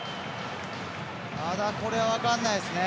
ただ、これは分かんないですね。